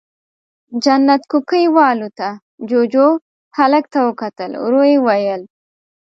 جنت کوکۍ والوته، جُوجُو، هلک ته وکتل، ورو يې وويل: